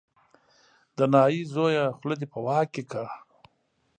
د نايي زویه خوله دې په واک کې کړه.